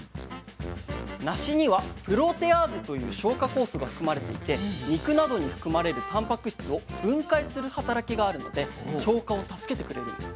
梨にはプロテアーゼという消化酵素が含まれていて肉などに含まれるたんぱく質を分解する働きがあるので消化を助けてくれるんです。